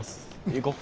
行こう。